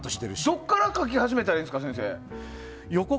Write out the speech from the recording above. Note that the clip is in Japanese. どこから描き始めたらいいんですか？